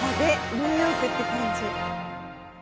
ニューヨークって感じ。